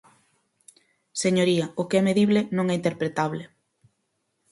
Señoría, o que é medible non é interpretable.